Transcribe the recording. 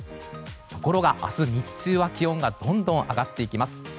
ところが明日日中は気温がどんどん上がっていきます。